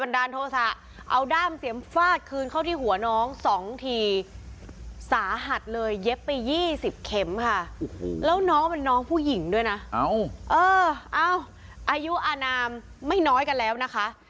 แล้วน้องมันน้องผู้หญิงด้วยนะเอ้าเออเอ้าอายุอนามไม่น้อยกันแล้วนะคะ